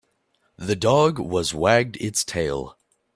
The dog was wagged its tail.